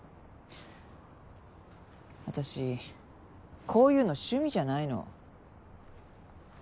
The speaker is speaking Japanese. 私こういうの趣味じゃないの。